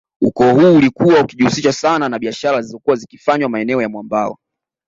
Ukoo huu ulikuwa ukijihusisha sana na biashara zilizokuwa zikifanywa maeneo ya mwambao